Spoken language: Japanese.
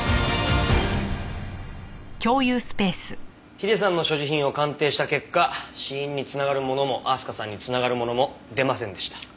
ヒデさんの所持品を鑑定した結果死因に繋がるものも明日香さんに繋がるものも出ませんでした。